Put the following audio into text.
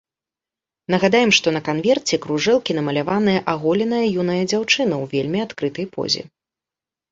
Нагадаем, што на канверце кружэлкі намаляваная аголеная юная дзяўчына ў вельмі адкрытай позе.